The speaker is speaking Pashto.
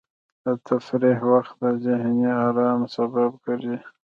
د تفریح وخت د ذهني ارامۍ سبب ګرځي.